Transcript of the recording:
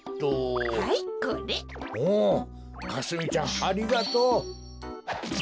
おおかすみちゃんありがとう。